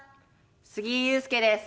杉井勇介です。